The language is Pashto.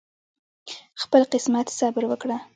خپل قسمت صبر وکړه